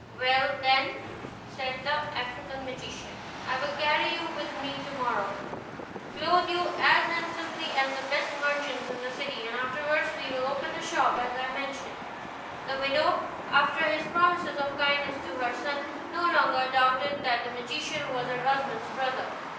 "Well, then," said the African magician, "I will carry you with me to morrow, clothe you as handsomely as the best merchants in the city, and afterward we will open a shop as I mentioned." The widow, after his promises of kindness to her son, no longer doubted that the magician was her husband's brother.